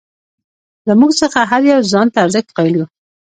زموږ څخه هر یو ځان ته ارزښت قایل یو.